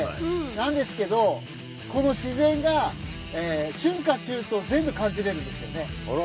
なんですけどこの自然が春夏秋冬全部感じれるんですよね。